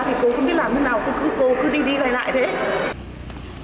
thì cô không biết làm thế nào cô cứ đi đi lại thế